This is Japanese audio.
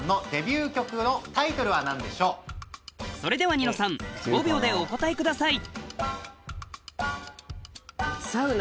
それではニノさん５秒でお答えください